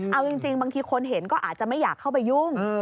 เอาจริงบางทีคนเห็นก็อาจจะไม่อยากเข้าไปยุ่ง